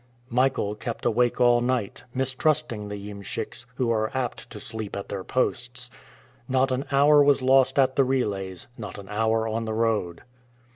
Michael kept awake all night, mistrusting the iemschiks, who are apt to sleep at their posts. Not an hour was lost at the relays, not an hour on the road.